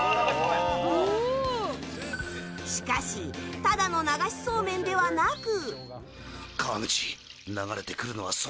しかしただの流しそうめんではなく。